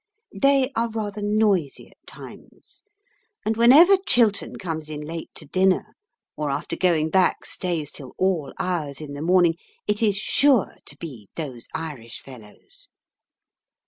They are rather noisy at times, and whenever Chiltern comes in late to dinner, or after going back stays till all hours in the morning, it is sure to be "those Irish fellows."